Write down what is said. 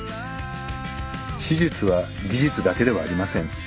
手術は技術だけではありません。